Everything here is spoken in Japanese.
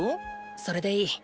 それでいい。